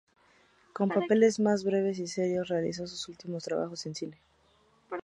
Con papeles más breves y serios, realizó sus últimos trabajos en cine.